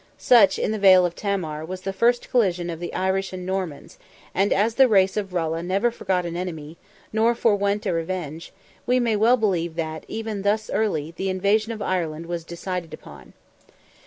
Such, in the vale of Tamar, was the first collision of the Irish and Normans, and as the race of Rollo never forgot an enemy, nor forewent a revenge, we may well believe that, even thus early, the invasion of Ireland was decided upon.